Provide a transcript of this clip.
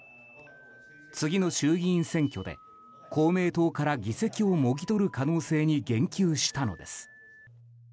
次の衆議院選挙で公明党から議席をもぎ取る可能性に言及したのです。